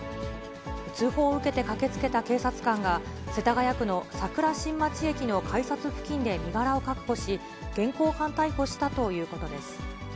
通報を受けて駆けつけた警察官が、世田谷区の桜新町駅の改札付近で身柄を確保し、現行犯逮捕したということです。